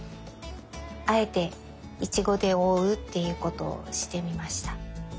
あえてイチゴでおおうっていうことをしてみました。